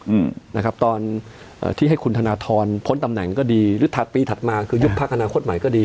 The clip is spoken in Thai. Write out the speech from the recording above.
อืมนะครับตอนเอ่อที่ให้คุณธนทรพ้นตำแหน่งก็ดีหรือถัดปีถัดมาคือยุบพักอนาคตใหม่ก็ดี